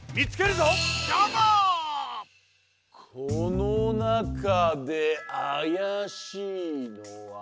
このなかであやしいのは？